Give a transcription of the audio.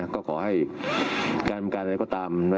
ก็ขอให้การบริการอะไรก็ตาม